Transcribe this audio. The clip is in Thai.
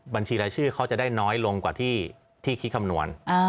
บัญชีรายชื่อเขาจะได้น้อยลงกว่าที่คิดคำนวณ